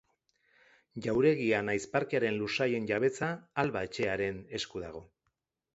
Jauregia nahiz parkearen lursailen jabetza Alba Etxearen esku dago.